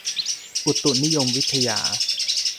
อุตุนิยมวิทยา